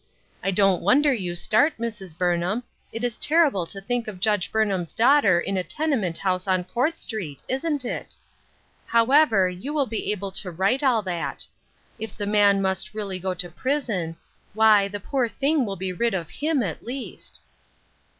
I don't wonder you start, Mrs. Burnham ; it is terrible to think of Judge Burnham's daughter in a tenement house on Court Street, isn't it ? How ever, you will be able to right all that. If the man must really go to prison, why, the poor thing will be rid of him, at least."